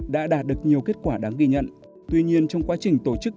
đã đạt được nhiều kết quả đáng ghi nhận tuy nhiên trong quá trình tổ chức